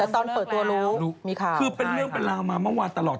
ตอนเปิดตัวรู้มีข่าวคือเป็นเรื่องเป็นราวมาเมื่อวานตลอด